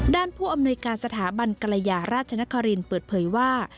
ผู้อำนวยการสถาบันกรยาราชนครินเปิดเผยว่า